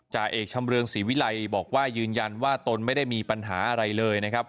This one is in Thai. จ่าเอกชำเรืองศรีวิลัยบอกว่ายืนยันว่าตนไม่ได้มีปัญหาอะไรเลยนะครับ